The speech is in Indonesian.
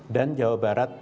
dan jawa barat delapan persen